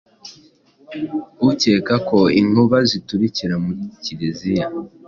Ucyeka ko inkuba ziturikira mu kiliziya